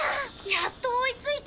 やっと追いついた。